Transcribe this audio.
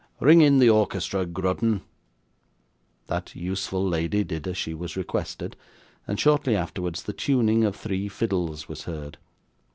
Ring in the orchestra, Grudden!' That useful lady did as she was requested, and shortly afterwards the tuning of three fiddles was heard.